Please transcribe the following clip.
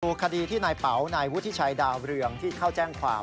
คดีที่นายเป๋านายวุฒิชัยดาวเรืองที่เข้าแจ้งความ